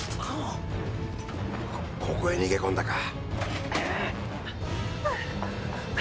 ここへ逃げ込んだか。